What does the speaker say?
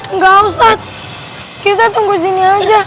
enggak ustadz kita tunggu sini aja